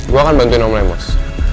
gue akan bantuin om lamos